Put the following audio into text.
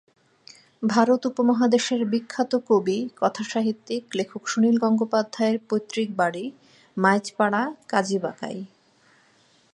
ভারত উপমহাদেশের বিখ্যাত কবি, কথা সাহিত্যিক, লেখক সুনীল গঙ্গোপাধ্যায়ের পৈত্রিকবাড়ী, মাইজপাড়া, কাজীবাকাই।